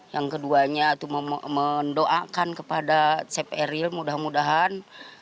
yang keduanya mendoakan kepada sepp emeril mudah mudahan